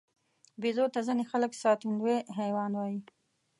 بیزو ته ځینې خلک ساتندوی حیوان وایي.